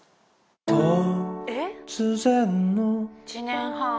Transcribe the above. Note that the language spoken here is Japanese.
１年半。